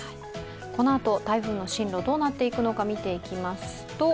このあと台風の進路どうなっていくのか見ていきますと。